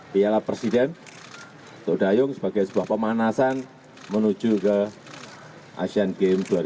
piala presiden untuk dayung sebagai sebuah pemanasan menuju ke asian games dua ribu delapan belas